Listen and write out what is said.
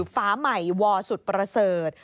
ฟ้าใหม่วอสุดประเสริฐ